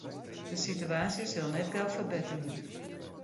De sitewaasje sil net gau ferbetterje.